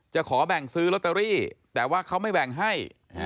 ขอแบ่งซื้อลอตเตอรี่แต่ว่าเขาไม่แบ่งให้